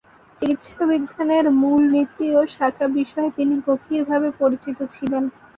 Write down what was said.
চিকিৎসাবিজ্ঞানের মূলনীতি ও শাখা বিষয়ে তিনি গভীরভাবে পরিচিত ছিলেন।